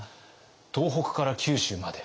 東北から九州まで。